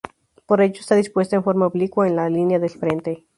Por ello está dispuesta en forma oblicua a la línea del frente.